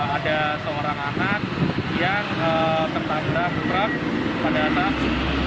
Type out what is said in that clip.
ada seorang anak yang tertabrak kerap pada atas